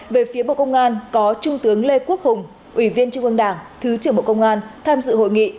về phía bộ công an có trung tướng lê quốc hùng ủy viên trung ương đảng thứ trưởng bộ công an tham dự hội nghị